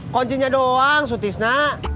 koncinya doang sutisna